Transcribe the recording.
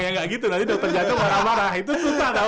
ya nggak gitu nanti dokter jantung marah marah itu susah kan